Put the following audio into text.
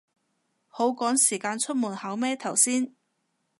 好趕時間出門口咩頭先